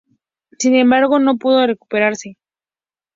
Sin embargo, no pudo recuperarse.